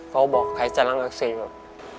เขาบอกใครจะรักษีมา